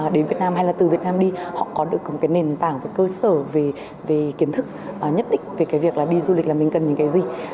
đến việt nam hay là từ việt nam đi họ có được một cái nền tảng và cơ sở về kiến thức nhất định về cái việc là đi du lịch là mình cần những cái gì